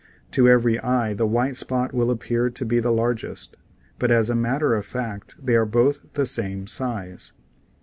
To every eye the white spot will appear to be the largest, but as a matter of fact they are both the same size.